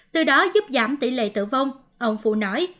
từ đó giúp giảm tỷ lệ tử vong ông phu nói